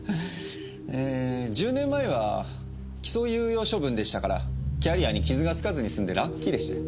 ええ１０年前は起訴猶予処分でしたからキャリアに傷が付かずに済んでラッキーでしたよ。